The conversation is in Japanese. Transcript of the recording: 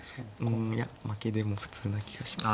うんいや負けでも普通な気がします。